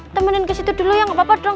temenin ke situ dulu ya nggak apa apa dong